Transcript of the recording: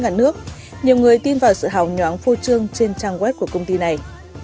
cả nước nhiều người tin vào sự hào nhóng phô trương trên trang web của công ty này